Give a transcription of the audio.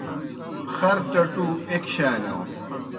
خر ٹٹُو ایْک شانِیؤ